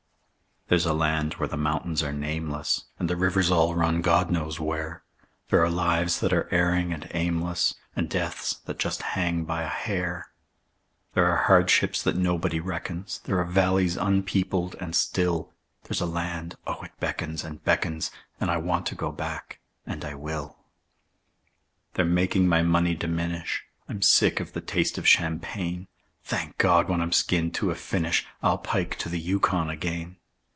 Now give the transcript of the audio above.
There's a land where the mountains are nameless, And the rivers all run God knows where; There are lives that are erring and aimless, And deaths that just hang by a hair; There are hardships that nobody reckons; There are valleys unpeopled and still; There's a land oh, it beckons and beckons, And I want to go back and I will. They're making my money diminish; I'm sick of the taste of champagne. Thank God! when I'm skinned to a finish I'll pike to the Yukon again.